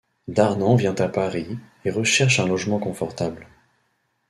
Darnand vient à Paris et recherche un logement confortable.